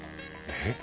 えっ？